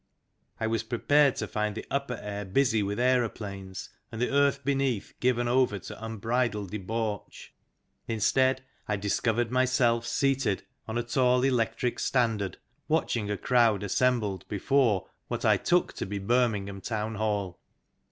I was prepared to find the upper air busy with aeroplanes and the earth beneath given over to un bridled debauch. Instead, I discovered myself seated on a tall electric standard, watching a crowd assembled before what I took to be Birmingham Town Hall.